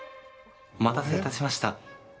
お待たせいたしました。